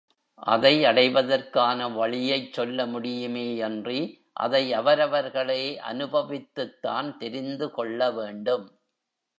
அதை அடைவதற்கான வழியைச் சொல்ல முடியுமேயன்றி அதை அவரவர்களே அநுபவித்துத்தான் தெரிந்து கொள்ள வேண்டும்.